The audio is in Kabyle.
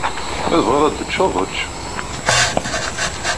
Ma tebɣiḍ ad teččeḍ, ečč.